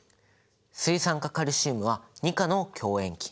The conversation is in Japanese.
水酸化カルシウムは２価の強塩基。